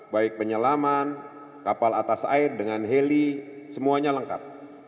baik penyelaman kapal atas air dengan heli semuanya lengkap